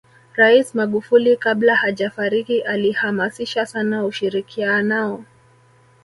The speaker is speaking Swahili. rais magufuli kabla hajafariki alihamasisha sana ushirikianao